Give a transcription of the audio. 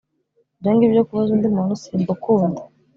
Ibyo ngibyo byo kubaza undi muntu simbukunda